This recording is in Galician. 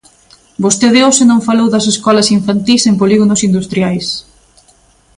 Vostede hoxe non falou das escolas infantís en polígonos industriais.